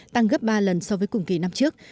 tăng gấp ba lần so với cùng kỳ năm trước